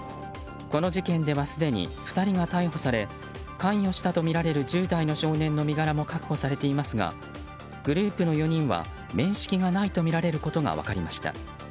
この事件ではすでに２人が逮捕され関与したとみられる１０代の少年の身柄も確保されていますがグループの４人は面識がないとみられることが分かりました。